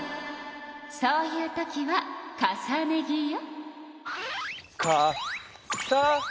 そういうときは重ね着よ。